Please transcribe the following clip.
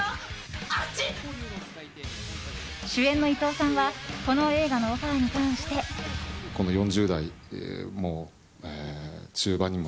主演の伊藤さんはこの映画のオファーに関して。と、苦笑い。